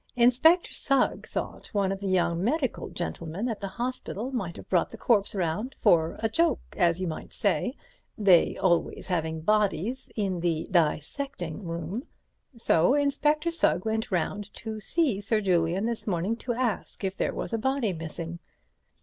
Inspector Sugg thought one of the young medical gentlemen at the hospital might have brought the corpse round for a joke, as you might say, they always having bodies in the dissecting room. So Inspector Sugg went round to see Sir Julian this morning to ask if there was a body missing.